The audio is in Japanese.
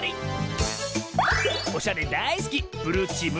おしゃれだいすき